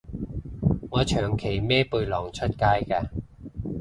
我長期孭背囊出街嘅